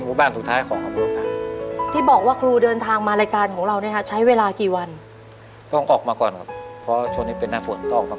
เหตุการณ์ที่เราอย่าออกมาเนี่ยบางครั้งมันมีต้นไม้ล้ม